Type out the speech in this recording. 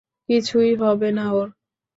কিছুই হবে না ওর।